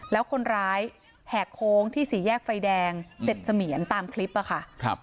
แล้วคนร้ายแหกโค้งที่สี่แยกไฟแดง๗เสมียนตามคลิปอะค่ะ